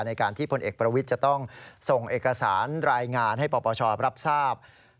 ในการที่พลเอกประวิทย์จะต้องส่งเอกสารรายงานให้ปปชรับทราบ